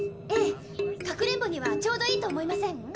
ええかくれんぼにはちょうどいいと思いません？